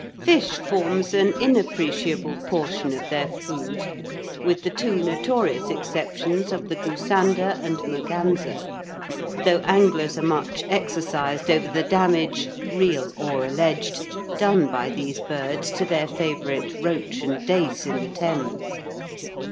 Fish forms an inappreciable portion of their food, with the two notorious exceptions of the goosander and merganser, though anglers are much exercised over the damage, real or alleged, done by these birds to their favourite roach and dace in the Thames.